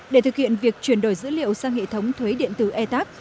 để thực hiện việc chuyển đổi dữ liệu sang hệ thống thuế điện tử etax